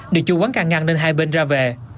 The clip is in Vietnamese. để chù quán càng ngăn lên hai bên ra về